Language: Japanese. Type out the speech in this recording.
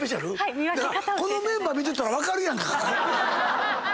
このメンバー見てたら分かるやんか。